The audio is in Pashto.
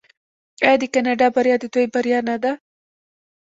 آیا د کاناډا بریا د دوی بریا نه ده؟